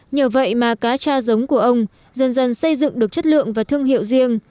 nhờ vậy mà cá cha giống của ông dần dần xây dựng được chất lượng và thương hiệu riêng